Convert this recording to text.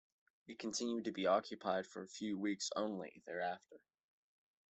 It continued to be occupied for a few weeks only thereafter.